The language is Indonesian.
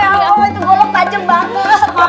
ya allah itu golok tajem banget